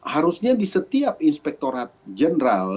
harusnya di setiap inspektorat jenderal